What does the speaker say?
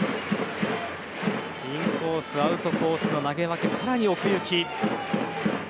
インコース、アウトコースの投げ分け更に奥行き。